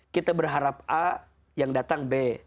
kita berharap a yang datang b